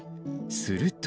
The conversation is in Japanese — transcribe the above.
すると。